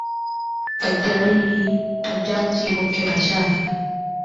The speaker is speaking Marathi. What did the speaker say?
पंजाबी ही पंजाबची प्रमुख भाषा आहे.